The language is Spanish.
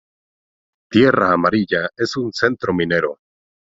Tierra Amarilla es un centro minero.